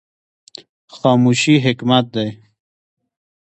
خاموشي حکمت دی